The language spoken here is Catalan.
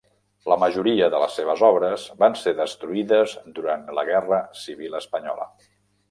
La majoria de les seves obres van ser destruïdes durant la guerra civil espanyola.